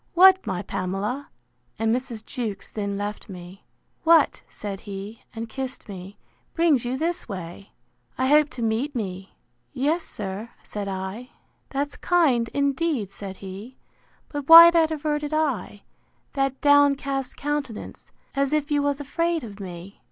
What, my Pamela! (and Mrs. Jewkes then left me,) What (said he, and kissed me) brings you this way? I hope to meet me.—Yes, sir, said I. That's kind, indeed, said he; but why that averted eye?—that downcast countenance, as if you was afraid of me?